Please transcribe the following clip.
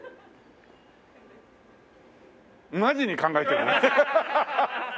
マジに考えてる？